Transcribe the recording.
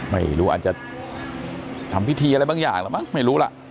ไม่รู้อาจจะทำพิธีอะไรบางอย่างแล้วมั้งไม่รู้ล่ะ